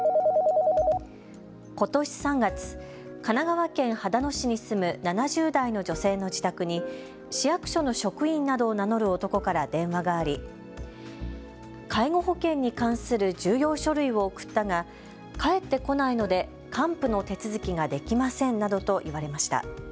ことし３月、神奈川県秦野市に住む７０代の女性の自宅に市役所の職員などを名乗る男から電話があり、介護保険に関する重要書類を送ったが返ってこないので還付の手続きができませんなどと言われました。